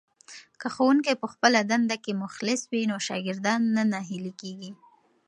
که ښوونکی په خپله دنده کې مخلص وي نو شاګردان نه ناهیلي کېږي.